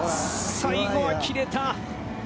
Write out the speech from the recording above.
最後は切れた。